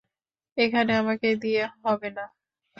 এখানে আমাকে দিয়ে হবে নাহ।